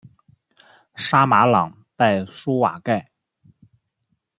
沙马朗代舒瓦盖。